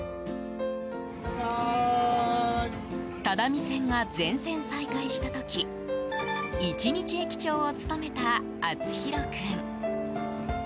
只見線が全線再開した時１日駅長を務めた淳紘君。